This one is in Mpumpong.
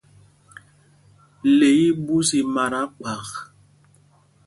Le í í ɓus i mata kphak.